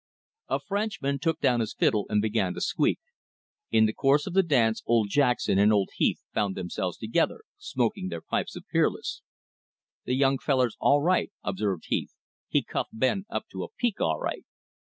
A Frenchman took down his fiddle and began to squeak. In the course of the dance old Jackson and old Heath found themselves together, smoking their pipes of Peerless. "The young feller's all right," observed Heath; "he cuffed Ben up to a peak all right."